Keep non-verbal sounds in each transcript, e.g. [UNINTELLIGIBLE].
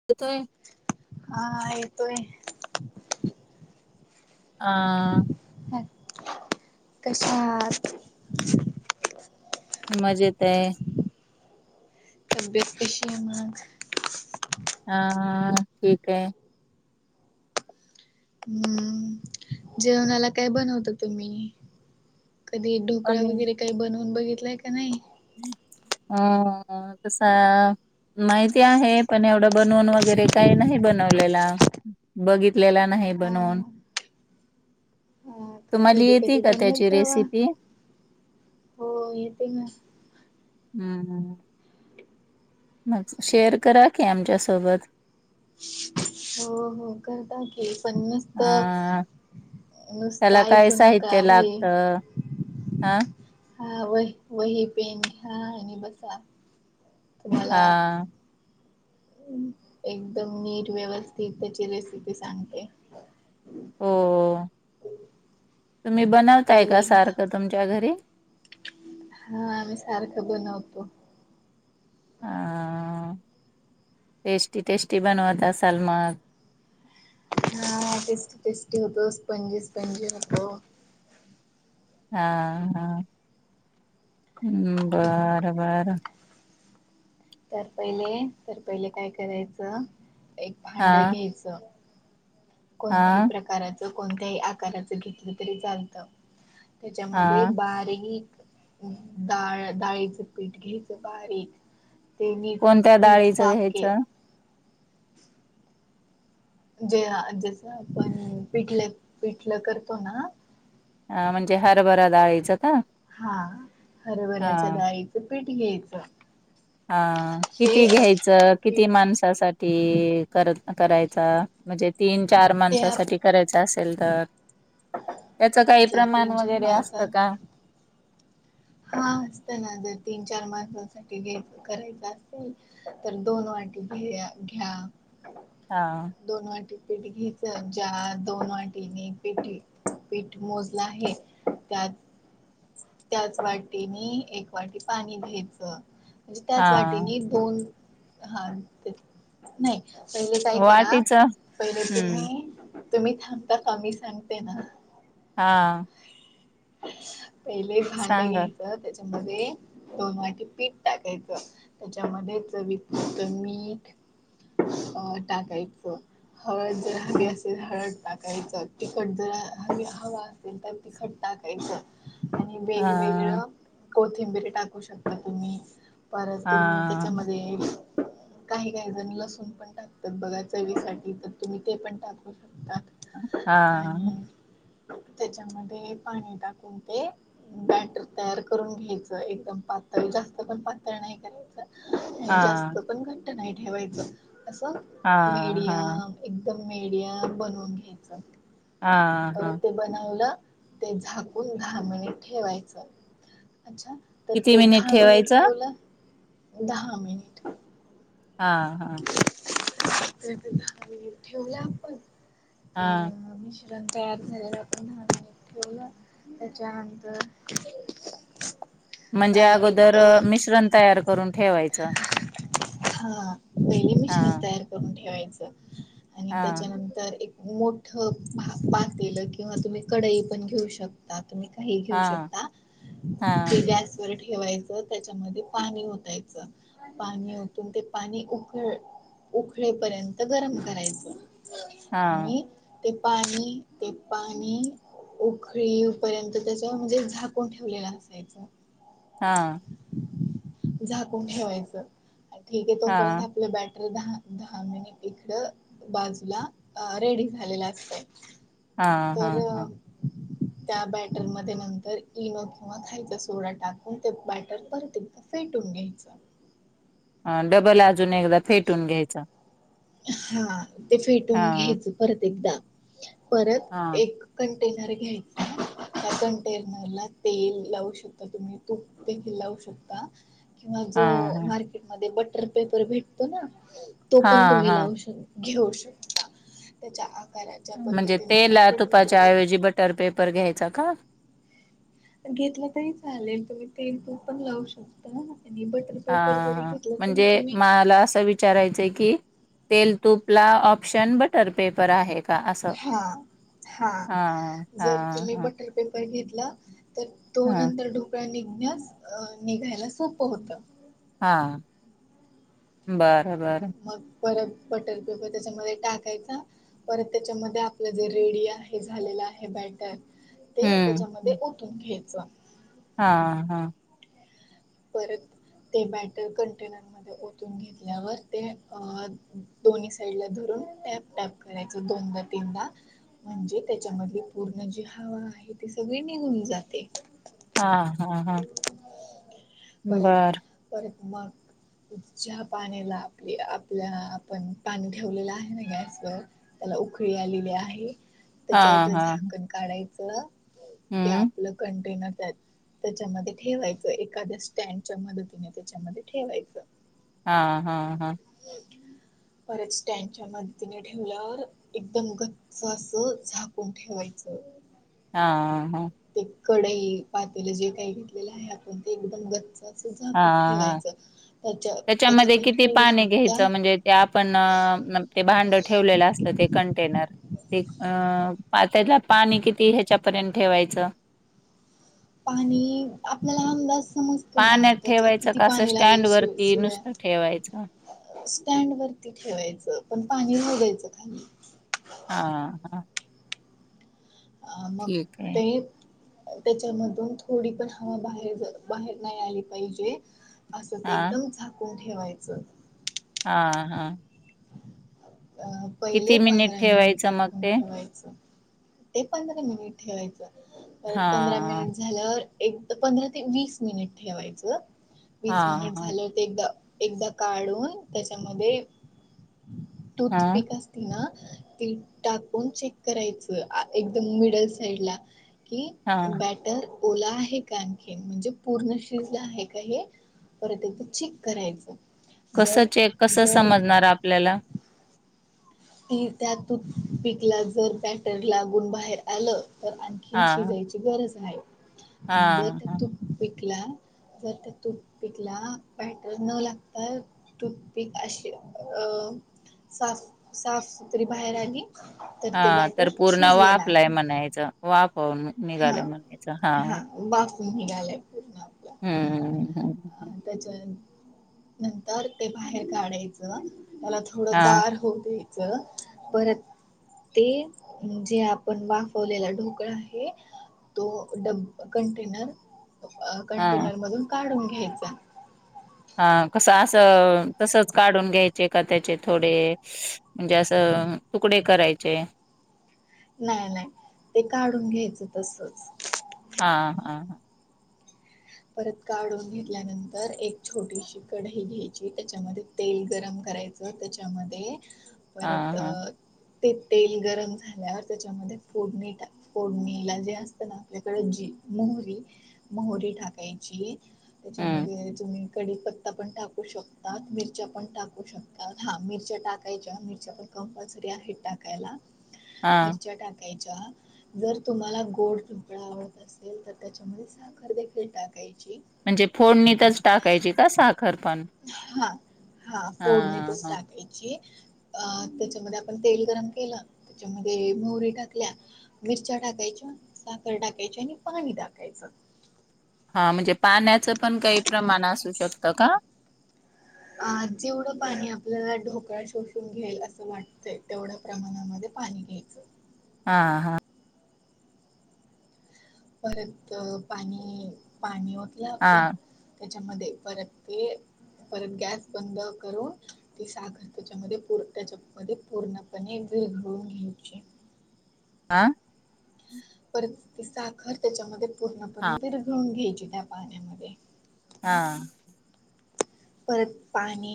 [UNINTELLIGIBLE] हा येतोय. हा. ह, कशा आहात? मजेत आहे. तब्येत कशी आहे मग? हा ठीक आहे. हम्म, जेवणाला काय बनवता तुम्ही? कधी ढोकळा आणि वगैरे काही बनवून बघितलाय का नाही. आ, तसा. माहिती आहे पण एवढं बनून वगैरे काही नाही बनवलेला. बघितलेला नाही बनवून. हा का तुम्हाली कधी येती कधी का बनवत त्याची जावा रेसिपी? हो येते ना हम्म हम्म. मग शेअर करा की आमच्यासोबत. हो हो करता की पण नुस्तं अ त्याला नुस्तं काय ऐकू नका भाई आं. हा व वही पेन घ्या आणि बसा तुम्हाला हा एकदम नीट व्यवस्थित त्याची रेसिपी सांगते. हो हो तुम्ही बनवताय का पहिले एक भा सारखं तुमच्या घरी? हा आम्ही सारखं बनवतो. आं टेस्टी टेस्टी बनवत असाल मग. हा टेस्टी टेस्टी होतो स्पंजी स्पंजी होतो. हां हां बर बर. तर पहिले तर पहिले काय करायचं एक हा भांड घ्यायचं कोणत्याही हा प्रकाराचं कोणत्याही आकाराचं घेतलं तरी चालतं. त्याच्यामध्ये हा बारीक डाळ डाळीचं पीठ घ्यायचं बारीक ते नीट कोणत्या नीट डाळीचं साफ के घ्यायचं जे आ जस आपण पिठले पिठलं करतो ना आ म्हणजे हरभरा डाळीच का? हा हा हरभऱ्याच्या डाळीच पीठ घ्यायचं. हां ते किती घ्यायचं, किती पीठ माणसं सा साठी करायचा म्हणजे तीन चार त्या माणसासाठी करायचा असेल तर, त्याच काही जर प्रमाण तीन चार वगैरे आसतं माणसं का? हा असतं ना जर तीन चार माणसासाठी घ्यायच करायचं असल तर दोन वाटी घेय घ्या. हां. दोन वाटी पीठ घ्याच ज्या दोन वाटीने पीठ घे पीठ मोजल आहे त्यात त्याच वाटीनी एक वाटी पाणी घ्यायचं म्हंजे त्याच हा वाटीनी दोन हा ते नाही. पहिले काय करा वाटीच पहिले हम्म तुम्ही तुम्ही थांबता का मी सांगते ना. हां. पहिले भांड सांगा घ्यायचं त्या त्या मधे दोन वाटी पीठ टाकायचं. त्याच्यामध्ये चवी पुरत मीठ अ टाकायचं हळद तर हवी हा असे हळद टाकायचं तिखट जर हवी हवा असेल तर तिखट टाकायचं आणि हा वेगवेगळं कोथिंबीरी टाकू शकता तुम्ही परत तुम्ही हा त्याच्यामध्ये काही काही जण लसूण पण टाकतात, बघा चवीसाठी त तुम्ही ते पण टाकू शक तात हां. त्याच्यामध्ये पाणी टाकून ते बॅटर तयार करून घ्यायचं एकदम पातळ जास्त पण पातळ नाही हा करायचं. हा जास्त पण घट्ट नाही ठेवायच असं हा मीडियम एकदम मडियम बनवून घ्यायचं. ह हा. बनवल ते झाकून दहा मिनिट ठेवायच अच्छा. तर किती ते दहा मिनिट ठेवायचं? ठेवलं दहा मिनिट हा हा. ठेवलं आपण तर हा मी तयार झाला आपण [INAUDIBLE] त्याचानंतर [INAUDIBLE] म्हणजे अगोदर मिश्रण तयार करून ठेवायचं. वेली हा मिशन तयार करून ठेवायचं. आणि हा त्याच्यानंतर एक मोठ पातलं किंवा तुम्ही कडाई पण घेऊ शक ता तुम्ही काही घेऊ हा शकता हा ते गॅस वर ठेवायच त्याच्यामध्ये पाणी ओतायचा पाणी ओतून ते पाणी ऊख उकळेपर्यंत गरम करायच हा आणि ते पाणी ते पाणी उखळीपर्यंत त्याच म्हणजे झाकून ठेवलेलं असायचं. हा. झाकून ठेवायचं ठीक आहे हा तोपर्यंत आपलं बॅटर दहा दहा मिनिट इकडं. बाजूला रेडी झालेला असतय हा हा तर [UNINTELLIGIBLE] त्या बॅटरमध्ये नंतर इनो किंवा खायचा सोडा टाकून ते बॅटर परत एक फेटून घ्यायचं. ह डबल अजून एकदा फेटून घ्यायचं. हा ते हा फेटून घ्यायचं परत एकदा परत हा एक कंटेनर घ्यायचं. त्या कंटेनर ला तेल लावू शकता तुम्ही तूप देखील लावू शकता. किंवा हा जो हा मार्केटमध्ये बटर पेपर भेटतो ना तो पण हा तुम्ही हा लावू घेऊ शकता त्याच्या आकाराच्या पद्धतीने तुम्ही बटर पेपर तर पेपर घ्यायचा का. घेतलं तरी चालेल तुम्ही तेल तूप पण लावू शकता आणि बटर पेपर जरी हा घेतला तरी म्हणजे तुम्ही मला असं विच विचाराय की तेल तूप ला ऑप्शन बटर पेपर आहे. का असं? हा हा हा जर तुम्ही हा बटर पेपर घेतला तर तो हा नंतर ढोकळा निघण्यास निघायला सोपं होतं. हा बरं बरं. मग परत बटर पेपर त्याचामध्ये टाकायचा. परत त्याच्यामध्ये आपलं जे रेडी आहे झालेलं आहे बॅटर ते त्याच्यामध्ये हम्म ओतून घ्यायचं. हा हा. परत ते बॅटर कंटेनर ओतून घेतल्यावर ते दोन्ही साईड ला धरून टॅप टॅप करायच दोनदा तीनदा. म्हणजे त्याच्यामधली पूर्ण जी हवा आहे ती सगळी निघून जाते. हा हा हा. परत बरं परत म ज्या पाण्याला आपली आपल्या आपण पाणी ठेवलेलं आहे ना गॅसवर. त्याला उखळी आलेली आहे. हा त्याच्यावरच हा झाकण काढायचं ते हम्म आपलं कंटेनर त्यात. त्याच्यामध्ये ठेवायचं एखाद्या स्टँडच्या मदतीने त्याच्यामध्ये ठेवायचं. हा हा हा. बच त्यांच्या मदतीने ठेवल्यावर एकदम गच्च असं झाकून ठेवायचं हा हा ते कडई पातेले जे काही घेतलेलं आहे आपण ते एकदम गच् हा झाकून हा ठेवायचं त्याच्या त्याच्यामध्ये त्याच्यातून किती थोडी पाणी सुद्धा घ्यायचं म्हणजे ते आपण ते भांड ठेवलेलं असत ते कंटेनर ते अ त्याला पाणी किती ह्याच्यापर्यंत ठेवायचं पाणी आपल्याला अंदाज समजत ना पाण्यात त्याच ठेवायचं किती का असं पाणी लागेल स्टँड शिव वरती शिवाय नुसतं ठेवायचं स्टँड वरती ठेवायचं पण पाणी भगायचं खाली हा हा मग ठीक आहे ते त्याच्यामधून थोडी पण हवा बाहेर बाहेर नाही आली पाहिजे असं ते हा एकदम झाकून ठेवायचं. हा हा अ पहिले किती पंधरा मिनिट ठेवायचं मग झाकून ते ठेवायचे ते पंधरा मिनिट ठेवायचं परत हा पंधरा मिनिट झाल्या एक पंधरा ते वीस मिनिट ठेवायचं हा वीस मिनिट हा झालं एकदा एकदा काढून त्याच्यामध्ये हां, टूथपिक असते ति ना ती टाकून चेक करायचं एकदम मिडल साईड ला कि हां. बॅटर ओला आहे का आणखीन म्हणजे पूर्ण शिज आहे का हे परत एकदा चेक करायचां कसं चेक कसं समजणार आपल्याला ती त्यात पीिकला जर बॅटर लागून बाहेर आलं तर आणखीन हां, शिजायची गरज आहे आणि गर हां, हां, तू विकला जर त्या तूप पिकला बॅटर न लागता टूथपिक अशी अ साफ साफ सुथरी बाहेर आली तर हा ते बॅटर तर पूर्ण शिजलेलं आहे वाफलाय म्हणायचं वाफऊून निघालाय म्हणायचं हा बाफरम ह गाय पूर्ण आपलं हम्म हम त्याच्या नंतर ते बाहेर काढायचं त्याला थोडं हां, गार हो दे परत ते जे आपण वाफवलेला ढोकळा आहे तोड कंटेनर हां, कंटेनर मधून काढून घ्यायचा हा कसं असं तसच काढून घ्यायचे का त्याचे थोडे म्हणजे असं तुकडे करायचे नाही नाही ते काढून घ्यायचं तसच हा हा हां परत काढून घेतल्यानंतर एक छोटीशी कढई घ्यायची त्याच्यामध्ये तेल गरम करायचं त्याच्यामध्ये ह परत ते तेल गरम झाल्यावर त्याच्यामध्ये फोडणी टाक कोडणीला जे असत ना आपल्याकडे जी मोहरी मोहरी टाक हं, त्याच्यामध्ये तुम्ही कडी पत्ता पण टाक शकात मिरच्या पण टाकू शकतात हा मिरच्या टाकायच्या मिरच्या पण कंपल्सरी आहे टाक टका हां. मिरच्या टा टकायच्या जर तुम्हाला गोड चिंपळा आवडत असेल तर त्याच्यामध्ये साखर देखेळतात कायची म्हणजे फोडणीतच टाकायची का साखरपण हा हा फोडणीतच हां. टाकायची. अ त्याच्यामध्ये आपण तेल गरम केलं, त्याच्यामध्ये मोहरी टाकल्या. मिरच्या टाकायच्या, साखर टाकायच्या, आणि पाणी टाकायचं. हा म्हणजे पाण्याचं पण काही प्रमाण असू शकतं का? अ जेवढं पाणी आपल्याला ढोकळा शोषून घेईल असं वाटतंय तेवढं- प्रमाणामध्ये पाणी घ्यायचं. हा हा. परत पाणी पाणी ओतलं आपण- हां. त्याच्यामध्ये परत ते परत गॅस बंद करून- ती साखर त्याच्यामध्ये पु त्याच्यामध्ये पूर्णपणे विघळून घ्यायची. आं? परत ती साखर त्याच्यामध्ये पूर्णपणे हा विघळून घ्यायची त्या पाण्यामध्ये आ परत पाणी-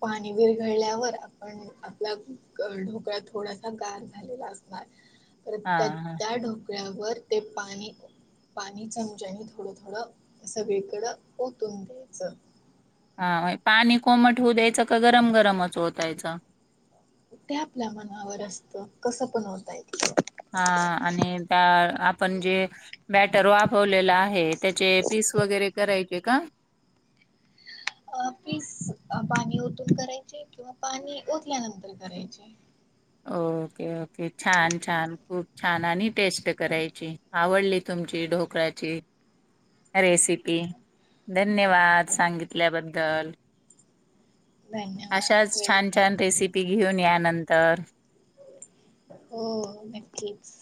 पाणी विरघळल्यावर आपण आपला ढोकळा थोडासा गार- झालेला असणार हा हा त्या ढोकळयावर ते पाणी- पाणी चमच्याने थोडं थोडं सगळीकडं ओतून द्यायचं. हा पाणी कोमट होऊ द्यायचं का गरम गरम ओतायच? ते आपल्या मनावर असतं कसं पण ओतायच. हा आणि- त्या आपण जे- बॅटर वापवलेला आहे त्याचे पीस वगैरे करायचे का? अ पीस पाणी ओतून करायचे किंवा पाणी ओतल्यानंतर करायचे. ओके ओके छान छान खूप छान आणि टेस्ट करायची आवडली- तुमची ढोकळ्याची रेसिपी. धन्यवाद सांगितल्याबद्दल. अशाच धन्यवाद छान वेलकम. छान रेसिपी घेऊन या नंतर. हो नक्कीच.